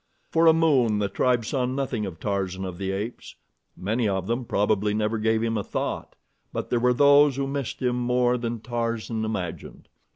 For a moon the tribe saw nothing of Tarzan of the Apes. Many of them probably never gave him a thought; but there were those who missed him more than Tarzan imagined.